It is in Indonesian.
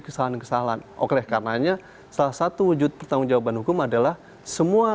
kesalahan kesalahan okelah karenanya salah satu wujud pertanggungjawaban hukum adalah semua